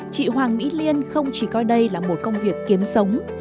chị hoàng mỹ liên không chỉ coi đây là một công việc kiếm sống